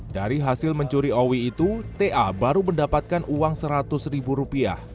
dari hasil mencuri owi itu ta baru mendapatkan uang rp seratus